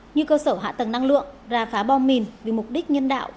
như cơ sở hạ tầng năng lượng ra phá bom mìn vì mục đích nhân đạo